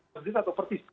persis atau persis